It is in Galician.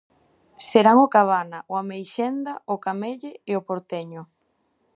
Serán o Cabana, o Ameixenda, o Camelle e o Porteño.